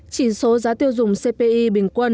chỉ số giá tiêu dùng cpi bình quân